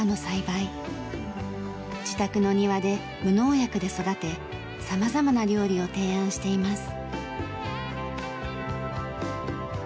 自宅の庭で無農薬で育て様々な料理を提案しています。